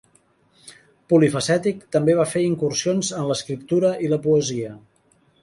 Polifacètic, també va fer incursions en l'escriptura i la poesia.